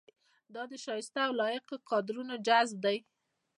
دا د شایسته او لایقو کادرونو جذب دی.